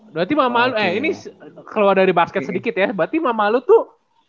berarti mama lu ini keluar dari basket sedikit ya berarti mama lu tuh